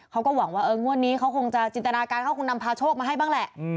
เขาก็หวังว่างวดนี้เขาคงจะจินตนาการเขาคงนำพาโชคมาให้บ้างแหละ